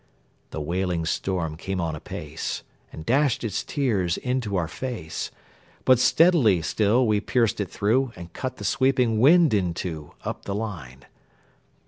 The wailing storm came on apace, And dashed its tears into our fade; But steadily still we pierced it through, And cut the sweeping wind in two, Up the line.